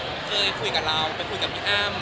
เคยคุยกับเราไปคุยกับพี่อ้ำ